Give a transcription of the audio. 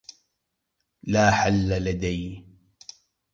لا حل لدي.